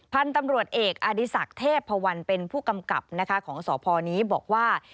พันธุ์ตำรวจเอกอดีศักดิ์เทพพวันเป็นผู้กำกับนะคะของสพนี้บอกว่า